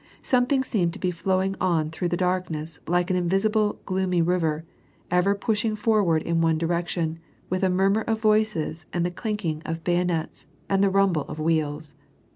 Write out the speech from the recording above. Something seemed to be flowing on through the darkness, like an invisible, gloomy river, ever pushing forward in one direction, with a murmur of voices, and the clinking of hayonets, and the rumble of wheels.